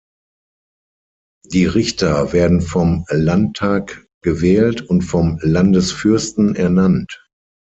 Die Richter werden vom Landtag gewählt und vom Landesfürsten ernannt.